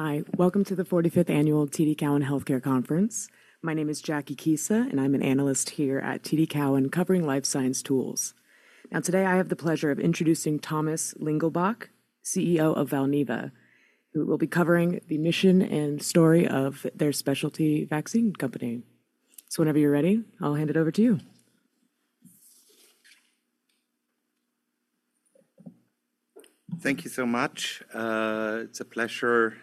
Hi, welcome to the 45th Annual TD Cowen Healthcare Conference. My name is Jackie Kiesa, and I'm an analyst here at TD Cowen covering life science tools. Now, today I have the pleasure of introducing Thomas Lingelbach, CEO of Valneva, who will be covering the mission and story of their specialty vaccine company. Whenever you're ready, I'll hand it over to you. Thank you so much. It's a pleasure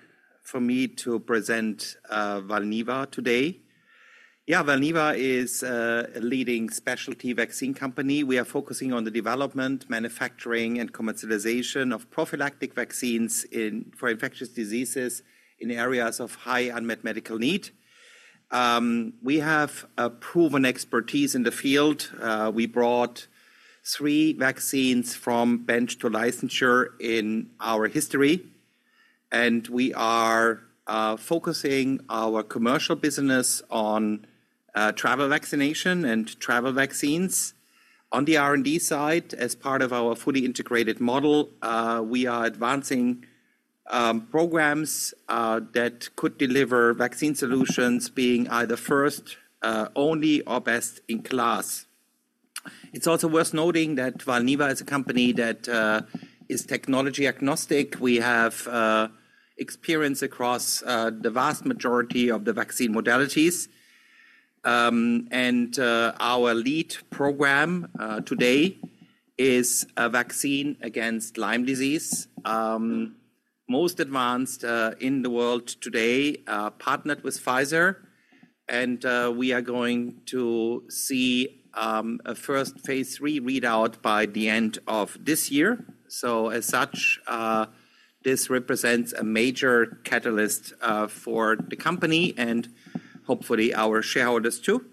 for me to present Valneva today. Yeah, Valneva is a leading specialty vaccine company. We are focusing on the development, manufacturing, and commercialization of prophylactic vaccines for infectious diseases in areas of high unmet medical need. We have proven expertise in the field. We brought three vaccines from bench to licensure in our history. We are focusing our commercial business on travel vaccination and travel vaccines. On the R&D side, as part of our fully integrated model, we are advancing programs that could deliver vaccine solutions being either first, only, or best in class. It's also worth noting that Valneva is a company that is technology agnostic. We have experience across the vast majority of the vaccine modalities. Our lead program today is a vaccine against Lyme disease, most advanced in the world today, partnered with Pfizer. We are going to see a first phase III readout by the end of this year. As such, this represents a major catalyst for the company and hopefully our shareholders too.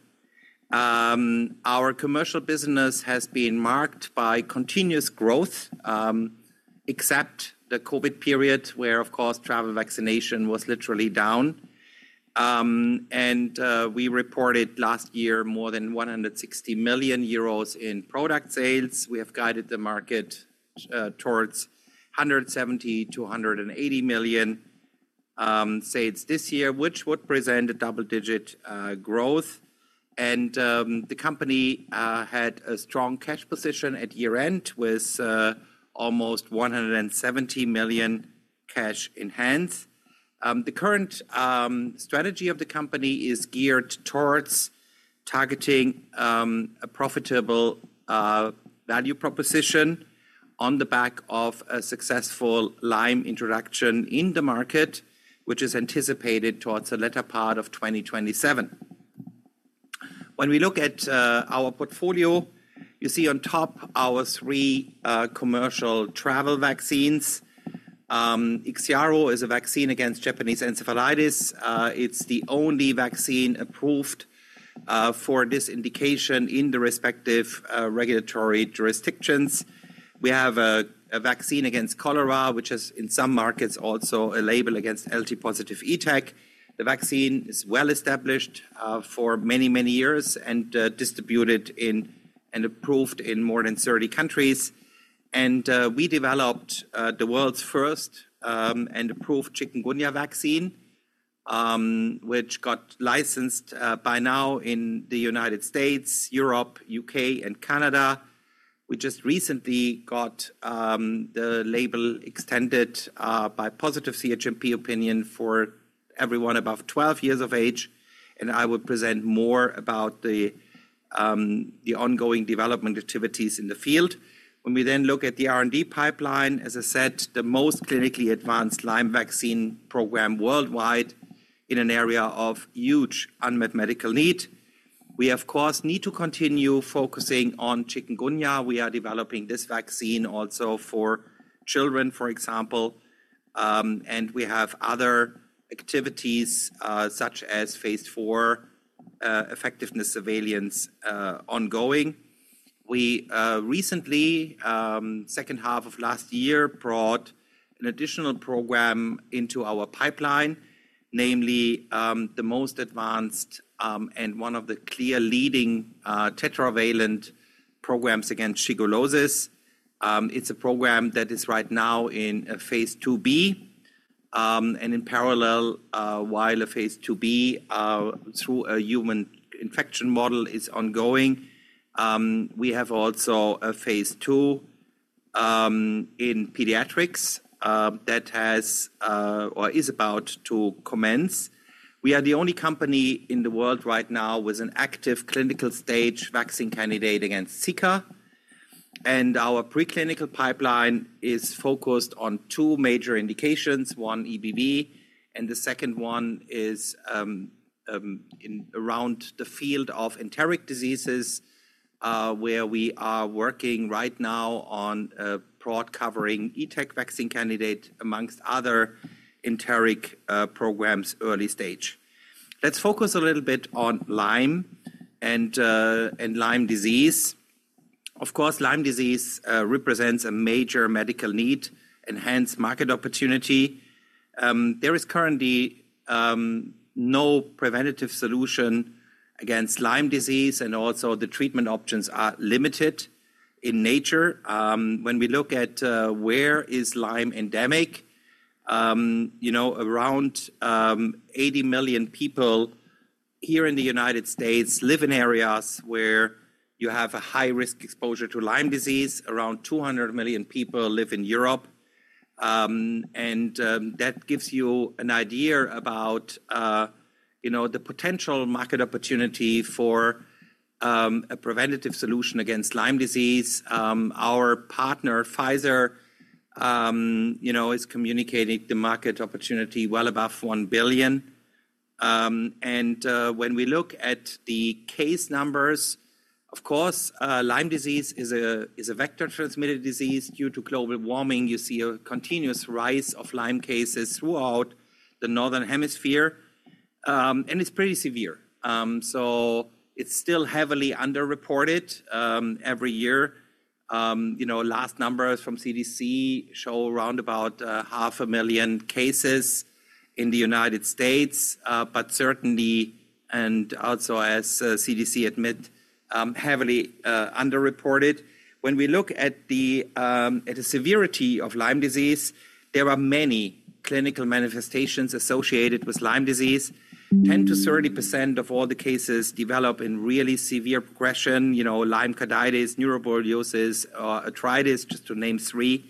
Our commercial business has been marked by continuous growth, except the COVID period where, of course, travel vaccination was literally down. We reported last year more than 160 million euros in product sales. We have guided the market towards 170 million-180 million sales this year, which would present a double-digit growth. The company had a strong cash position at year-end with almost 170 million cash in hand. The current strategy of the company is geared towards targeting a profitable value proposition on the back of a successful Lyme introduction in the market, which is anticipated towards the latter part of 2027. When we look at our portfolio, you see on top our three commercial travel vaccines. IXIARO is a vaccine against Japanese encephalitis. It's the only vaccine approved for this indication in the respective regulatory jurisdictions. We have a vaccine against cholera, which is in some markets also a label against LT-positive ETEC. The vaccine is well established for many, many years and distributed in and approved in more than 30 countries. We developed the world's first and approved chikungunya vaccine, which got licensed by now in the United States, Europe, U.K., and Canada. We just recently got the label extended by positive CHMP opinion for everyone above 12 years of age. I will present more about the ongoing development activities in the field. When we then look at the R&D pipeline, as I said, the most clinically advanced Lyme vaccine program worldwide in an area of huge unmet medical need. We, of course, need to continue focusing on chikungunya. We are developing this vaccine also for children, for example. We have other activities such as phase IV effectiveness surveillance ongoing. We recently, second half of last year, brought an additional program into our pipeline, namely the most advanced and one of the clear leading tetravalent programs against shigellosis. It's a program that is right now in phase II-B. In parallel, while a phase II-B through a human infection model is ongoing, we have also a phase II in pediatrics that has or is about to commence. We are the only company in the world right now with an active clinical stage vaccine candidate against Zika. Our preclinical pipeline is focused on two major indications, one EBV, and the second one is around the field of enteric diseases where we are working right now on a broad covering ETEC vaccine candidate amongst other enteric programs early stage. Let's focus a little bit on Lyme and Lyme disease. Of course, Lyme disease represents a major medical need, enhanced market opportunity. There is currently no preventative solution against Lyme disease, and also the treatment options are limited in nature. When we look at where is Lyme endemic, around 80 million people here in the United States live in areas where you have a high-risk exposure to Lyme disease. Around 200 million people live in Europe. That gives you an idea about the potential market opportunity for a preventative solution against Lyme disease. Our partner, Pfizer, is communicating the market opportunity well above $1 billion. When we look at the case numbers, of course, Lyme disease is a vector transmitted disease. Due to global warming, you see a continuous rise of Lyme cases throughout the northern hemisphere. It is pretty severe. It is still heavily underreported every year. Last numbers from CDC show around about 500,000 cases in the United States, but certainly, and also as CDC admit, heavily underreported. When we look at the severity of Lyme disease, there are many clinical manifestations associated with Lyme disease, 10%-30% of all the cases develop in really severe progression, Lyme carditis, neuroborreliosis, or arthritis, just to name three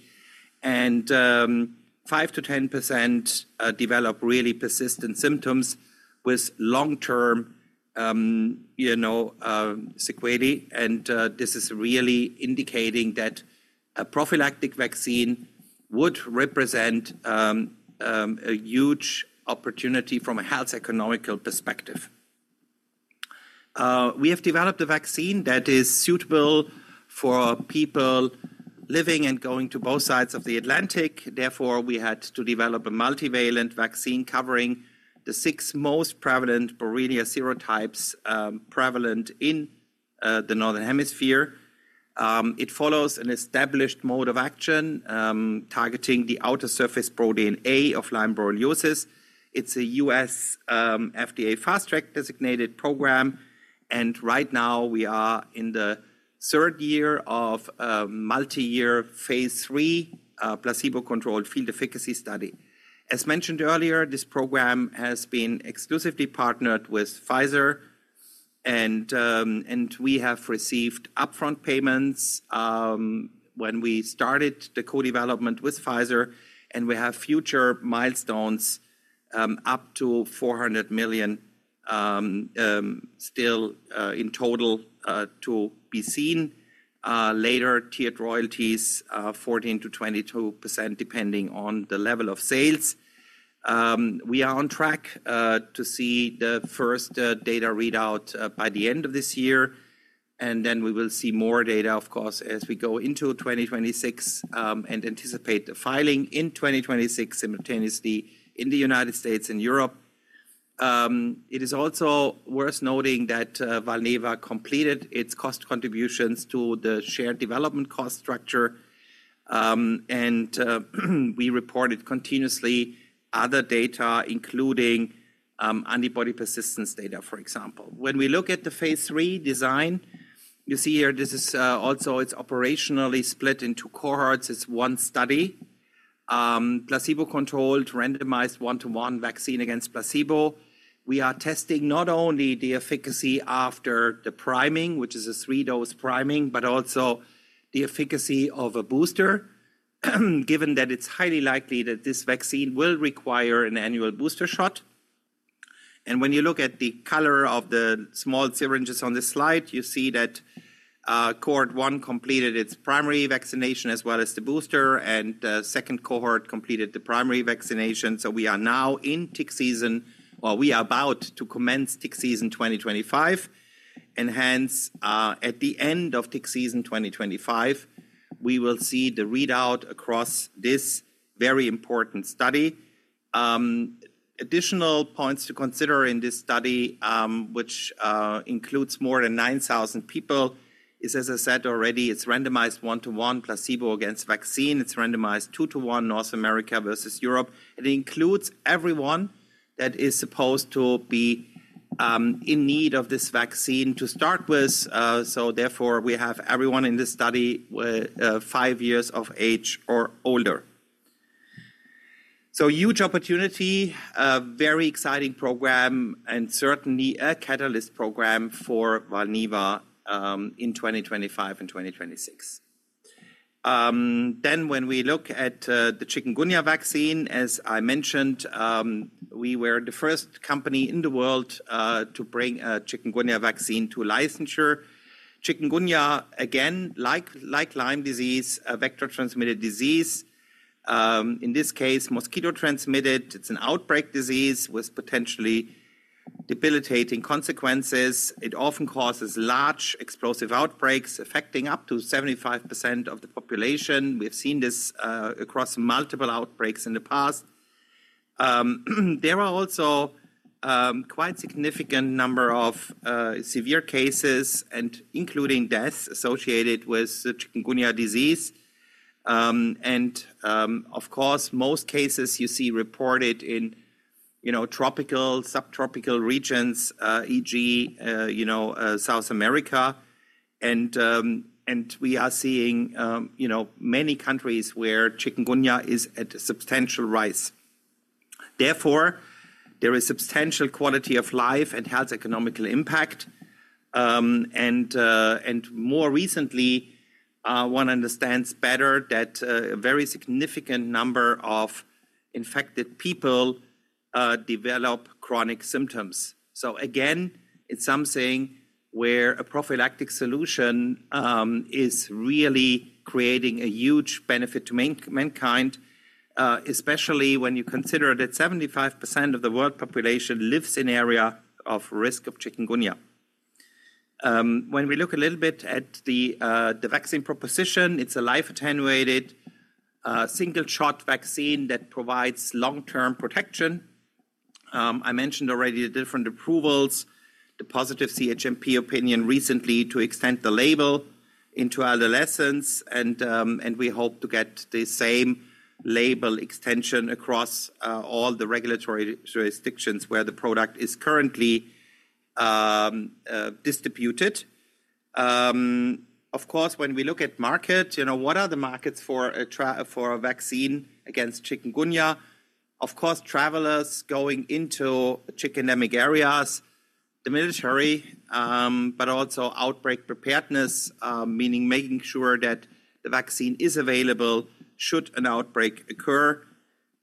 and 5%-10% develop really persistent symptoms with long-term sequelae. This is really indicating that a prophylactic vaccine would represent a huge opportunity from a health economical perspective. We have developed a vaccine that is suitable for people living and going to both sides of the Atlantic. Therefore, we had to develop a multivalent vaccine covering the six most prevalent Borrelia serotypes prevalent in the northern hemisphere. It follows an established mode of action targeting the outer surface protein A of Lyme borreliosis. It's a U.S. FDA Fast Track designated program. Right now, we are in the third year of multi-year phase III placebo-controlled field efficacy study. As mentioned earlier, this program has been exclusively partnered with Pfizer. We have received upfront payments when we started the co-development with Pfizer. We have future milestones up to $400 million still in total to be seen. Later tiered royalties, 14%-22%, depending on the level of sales. We are on track to see the first data readout by the end of this year. We will see more data, of course, as we go into 2026 and anticipate the filing in 2026 simultaneously in the United States and Europe. It is also worth noting that Valneva completed its cost contributions to the shared development cost structure. We reported continuously other data, including antibody persistence data, for example. When we look at the phase III design, you see here this is also it's operationally split into cohorts. It's one study, placebo-controlled randomized one-to-one vaccine against placebo. We are testing not only the efficacy after the priming, which is a three-dose priming, but also the efficacy of a booster, given that it's highly likely that this vaccine will require an annual booster shot. When you look at the color of the small syringes on the slide, you see that cohort one completed its primary vaccination as well as the booster, and the second cohort completed the primary vaccination. We are now in tick season, or we are about to commence tick season 2025. Hence, at the end of tick season 2025, we will see the readout across this very important study. Additional points to consider in this study, which includes more than 9,000 people, is, as I said already, it's randomized one-to-one placebo against vaccine. It's randomized two-to-one North America versus Europe. It includes everyone that is supposed to be in need of this vaccine to start with. Therefore, we have everyone in this study five years of age or older. Huge opportunity, very exciting program, and certainly a catalyst program for Valneva in 2025 and 2026. When we look at the chikungunya vaccine, as I mentioned, we were the first company in the world to bring a chikungunya vaccine to licensure. Chikungunya, again, like Lyme disease, a vector transmitted disease, in this case, mosquito transmitted. It's an outbreak disease with potentially debilitating consequences. It often causes large explosive outbreaks affecting up to 75% of the population. We've seen this across multiple outbreaks in the past. There are also quite significant number of severe cases, including deaths associated with chikungunya disease. Of course, most cases you see reported in tropical, subtropical regions, e.g., South America. We are seeing many countries where chikungunya is at a substantial rise. Therefore, there is substantial quality of life and health economical impact. More recently, one understands better that a very significant number of infected people develop chronic symptoms. Again, it's something where a prophylactic solution is really creating a huge benefit to mankind, especially when you consider that 75% of the world population lives in area of risk of chikungunya. When we look a little bit at the vaccine proposition, it's a live-attenuated single-shot vaccine that provides long-term protection. I mentioned already the different approvals, the positive CHMP opinion recently to extend the label into adolescence. We hope to get the same label extension across all the regulatory jurisdictions where the product is currently distributed. Of course, when we look at market, what are the markets for a vaccine against chikungunya? Of course, travelers going into chikungunya-endemic areas, the military, but also outbreak preparedness, meaning making sure that the vaccine is available should an outbreak occur.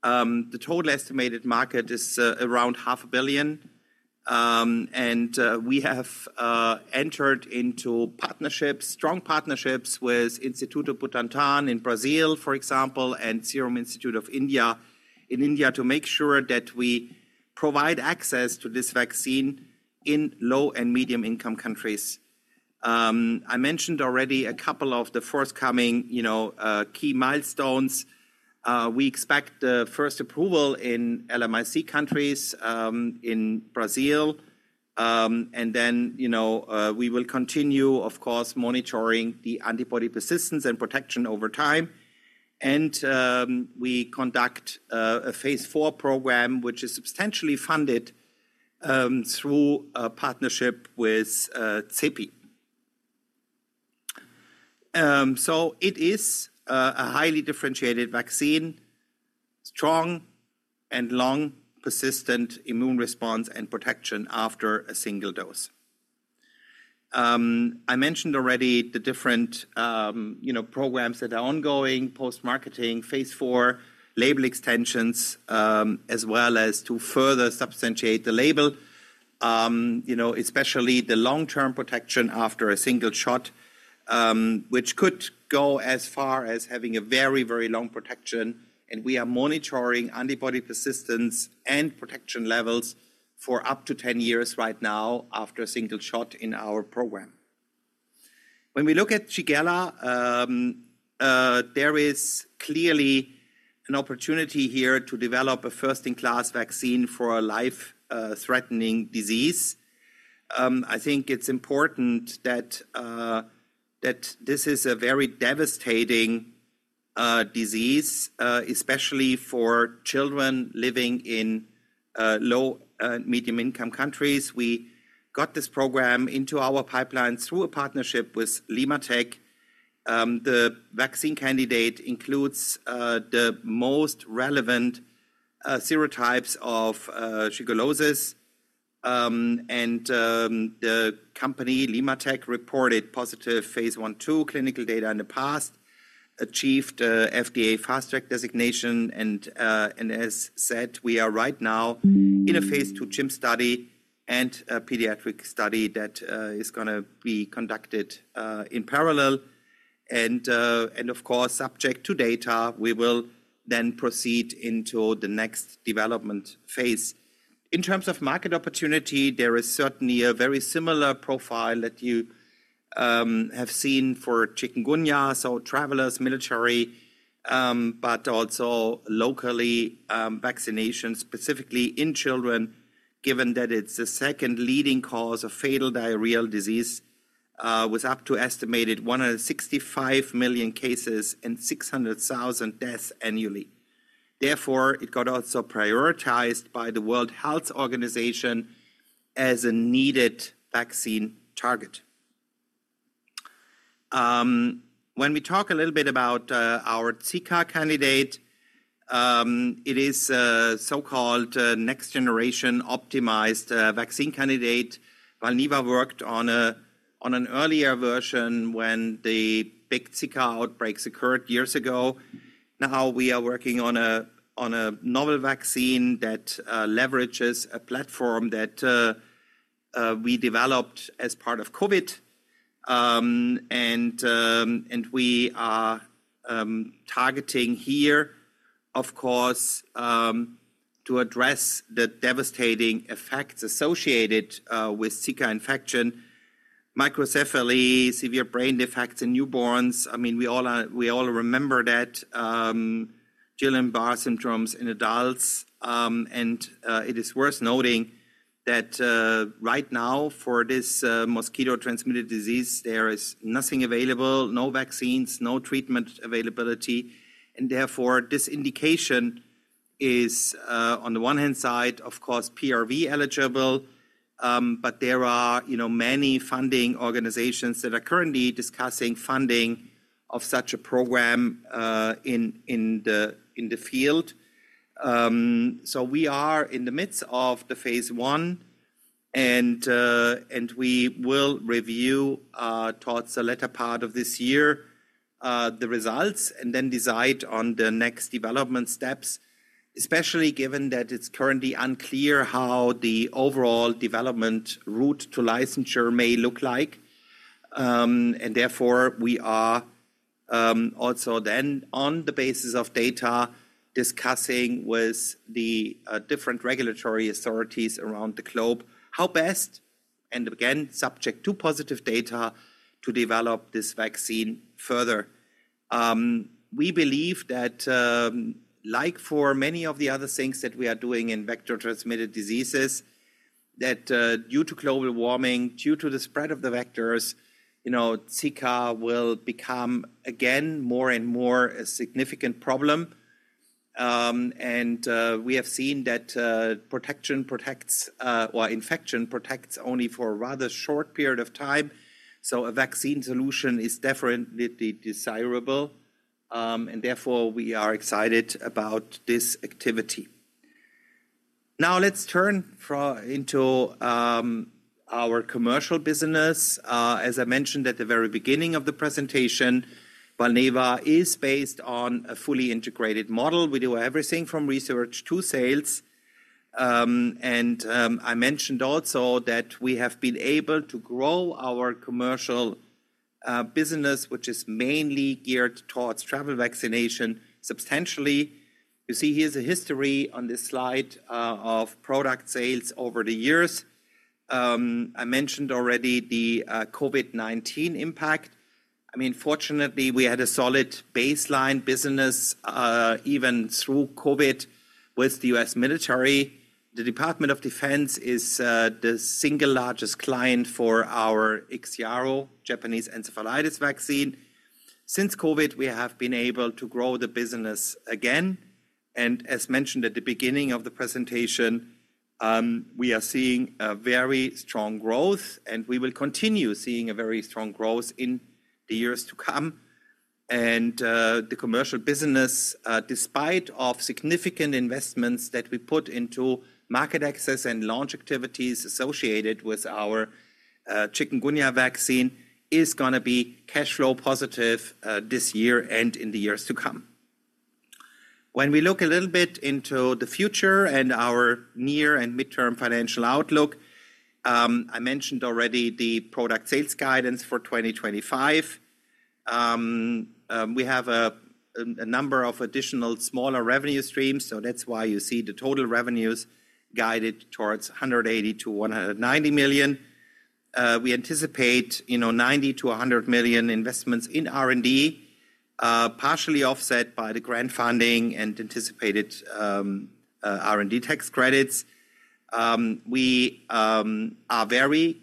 The total estimated market is around $500,000,000. We have entered into strong partnerships with Instituto Butantan in Brazil, for example, and Serum Institute of India in India to make sure that we provide access to this vaccine in low and medium-income countries. I mentioned already a couple of the forthcoming key milestones. We expect the first approval in LMIC countries in Brazil. We will continue, of course, monitoring the antibody persistence and protection over time. We conduct a phase IV program, which is substantially funded through a partnership with CEPI. It is a highly differentiated vaccine, strong and long persistent immune response and protection after a single dose. I mentioned already the different programs that are ongoing, post-marketing, phase IV, label extensions, as well as to further substantiate the label, especially the long-term protection after a single shot, which could go as far as having a very, very long protection. We are monitoring antibody persistence and protection levels for up to 10 years right now after a single shot in our program. When we look at Shigella, there is clearly an opportunity here to develop a first-in-class vaccine for a life-threatening disease. I think it's important that this is a very devastating disease, especially for children living in low- and middle-income countries. We got this program into our pipeline through a partnership with LimmaTech. The vaccine candidate includes the most relevant serotypes of shigellosis. The company LimmaTech reported positive phase I/II clinical data in the past, achieved FDA Fast Track designation. As said, we are right now in a phase two challenge study and a pediatric study that is going to be conducted in parallel. Of course, subject to data, we will then proceed into the next development phase. In terms of market opportunity, there is certainly a very similar profile that you have seen for chikungunya, so travelers, military, but also locally vaccination, specifically in children, given that it's the second leading cause of fatal diarrheal disease with up to estimated 165 million cases and 600,000 deaths annually. Therefore, it got also prioritized by the World Health Organization as a needed vaccine target. When we talk a little bit about our Zika candidate, it is a so-called next-generation optimized vaccine candidate. Valneva worked on an earlier version when the big Zika outbreaks occurred years ago. Now we are working on a novel vaccine that leverages a platform that we developed as part of COVID. And we are targeting here, of course, to address the devastating effects associated with Zika infection, microcephaly, severe brain defects in newborns. I mean, we all remember that Guillain-Barré syndromes in adults. It is worth noting that right now for this mosquito-transmitted disease, there is nothing available, no vaccines, no treatment availability. Therefore, this indication is on the one hand side, of course, PRV eligible. There are many funding organizations that are currently discussing funding of such a program in the field. We are in the midst of the phase I. We will review towards the latter part of this year the results and then decide on the next development steps, especially given that it is currently unclear how the overall development route to licensure may look like. Therefore, we are also then on the basis of data discussing with the different regulatory authorities around the globe how best, and again, subject to positive data, to develop this vaccine further. We believe that, like for many of the other things that we are doing in vector-transmitted diseases, that due to global warming, due to the spread of the vectors, chikungunya will become again more and more a significant problem. We have seen that protection protects or infection protects only for a rather short period of time. A vaccine solution is definitely desirable. Therefore, we are excited about this activity. Now let's turn into our commercial business. As I mentioned at the very beginning of the presentation, Valneva is based on a fully integrated model. We do everything from research to sales. I mentioned also that we have been able to grow our commercial business, which is mainly geared towards travel vaccination, substantially. You see here is a history on this slide of product sales over the years. I mentioned already the COVID-19 impact. I mean, fortunately, we had a solid baseline business even through COVID with the U.S. military. The Department of Defense is the single largest client for our IXIARO, Japanese encephalitis vaccine. Since COVID, we have been able to grow the business again. As mentioned at the beginning of the presentation, we are seeing very strong growth, and we will continue seeing very strong growth in the years to come. The commercial business, despite significant investments that we put into market access and launch activities associated with our chikungunya vaccine, is going to be cash flow positive this year and in the years to come. When we look a little bit into the future and our near and midterm financial outlook, I mentioned already the product sales guidance for 2025. We have a number of additional smaller revenue streams. That's why you see the total revenues guided towards 180 million-190 million. We anticipate 90 million-100 million investments in R&D, partially offset by the grant funding and anticipated R&D tax credits. We are very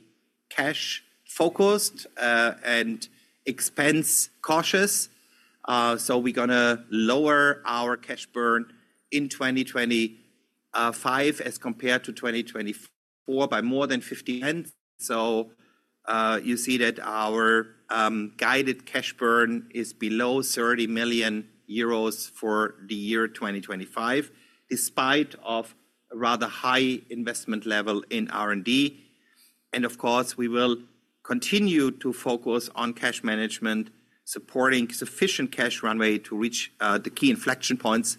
cash focused and expense cautious. We're going to lower our cash burn in 2025 as compared to 2024 by more than 50%. You see that our guided cash burn is below 30 million euros for the year 2025, despite a rather high investment level in R&D. Of course, we will continue to focus on cash management, supporting sufficient cash runway to reach the key inflection points.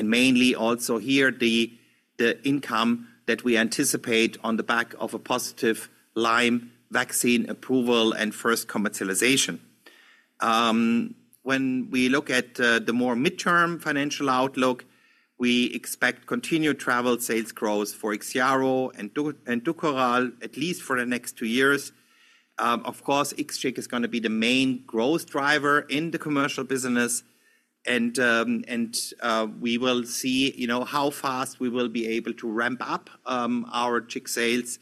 Mainly also here the income that we anticipate on the back of a positive Lyme vaccine approval and first commercialization. When we look at the more midterm financial outlook, we expect continued travel sales growth for IXIARO and DUKORAL at least for the next two years. Of course, IXCHIQ is going to be the main growth driver in the commercial business. We will see how fast we will be able to ramp up our chik sales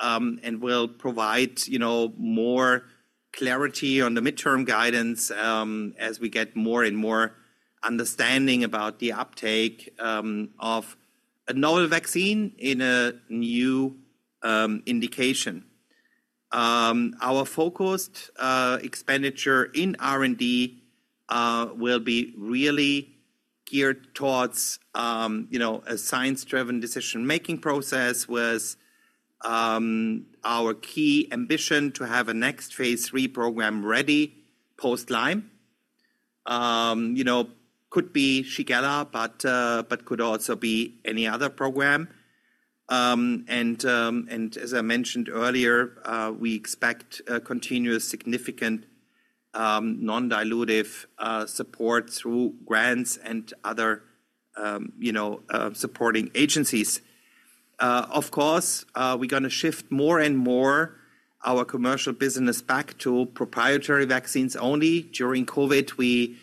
and will provide more clarity on the midterm guidance as we get more and more understanding about the uptake of a novel vaccine in a new indication. Our focused expenditure in R&D will be really geared towards a science-driven decision-making process with our key ambition to have a next phase III program ready post-Lyme. Could be Shigella, but could also be any other program. As I mentioned earlier, we expect continuous significant non-dilutive support through grants and other supporting agencies. Of course, we're going to shift more and more our commercial business back to proprietary vaccines only. During COVID, we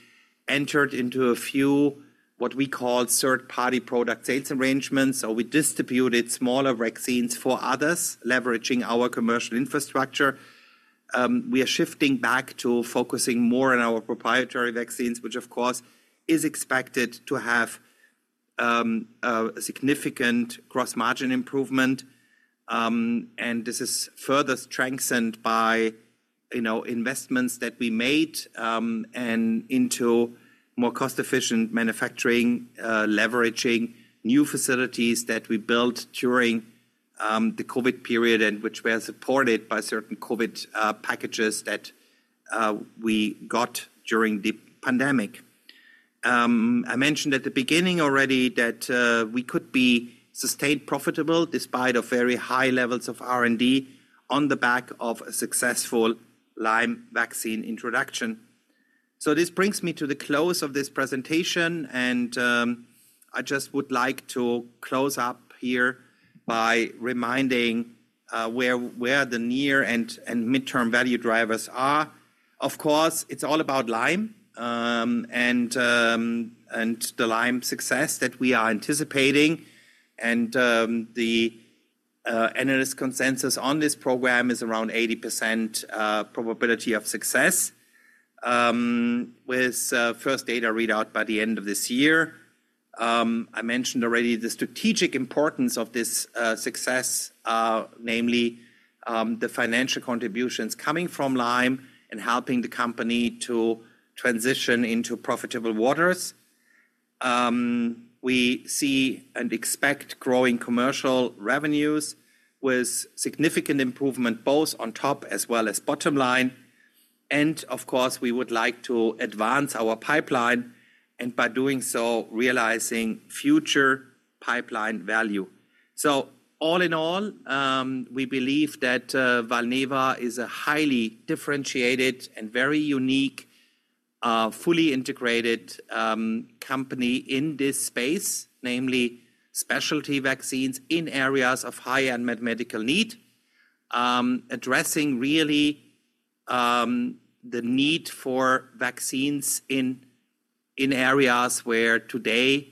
entered into a few what we call third-party product sales arrangements. We distributed smaller vaccines for others, leveraging our commercial infrastructure. We are shifting back to focusing more on our proprietary vaccines, which of course is expected to have a significant gross margin improvement. This is further strengthened by investments that we made into more cost-efficient manufacturing, leveraging new facilities that we built during the COVID period and which were supported by certain COVID packages that we got during the pandemic. I mentioned at the beginning already that we could be sustained profitable despite very high levels of R&D on the back of a successful Lyme vaccine introduction. This brings me to the close of this presentation. I just would like to close up here by reminding where the near and midterm value drivers are. Of course, it's all about Lyme and the Lyme success that we are anticipating. The analyst consensus on this program is around 80% probability of success with first data readout by the end of this year. I mentioned already the strategic importance of this success, namely the financial contributions coming from Lyme and helping the company to transition into profitable waters. We see and expect growing commercial revenues with significant improvement both on top as well as bottom line. We would like to advance our pipeline and by doing so realizing future pipeline value. All in all, we believe that Valneva is a highly differentiated and very unique, fully integrated company in this space, namely specialty vaccines in areas of high unmet medical need, addressing really the need for vaccines in areas where today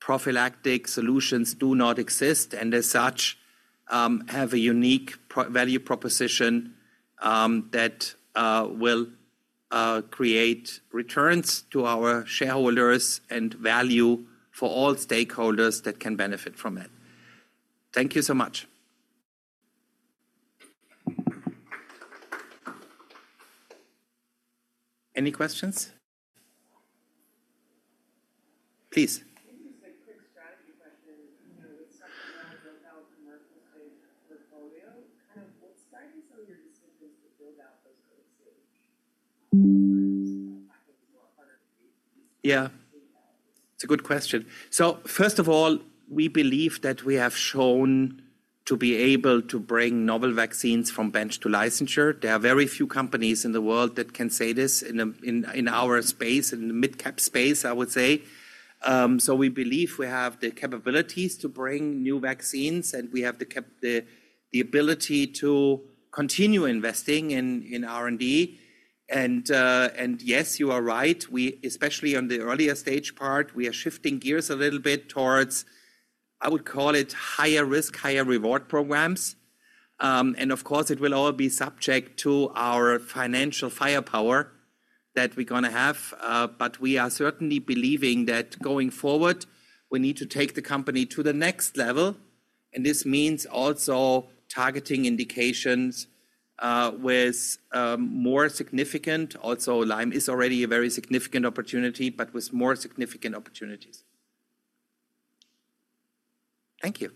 prophylactic solutions do not exist. As such, have a unique value proposition that will create returns to our shareholders and value for all stakeholders that can benefit from it. Thank you so much. Any questions? Please. I think it was a quick strategy question. With something around the 1,000-mercal stage portfolio, kind of what's guiding some of your decisions to build out those early stage packages or R&D? Yeah. It's a good question. First of all, we believe that we have shown to be able to bring novel vaccines from bench to licensure. There are very few companies in the world that can say this in our space, in the mid-cap space, I would say. We believe we have the capabilities to bring new vaccines, and we have the ability to continue investing in R&D. Yes, you are right. Especially on the earlier stage part, we are shifting gears a little bit towards, I would call it, higher risk, higher reward programs. Of course, it will all be subject to our financial firepower that we're going to have. We are certainly believing that going forward, we need to take the company to the next level. This means also targeting indications with more significant, also Lyme is already a very significant opportunity, but with more significant opportunities. Thank you.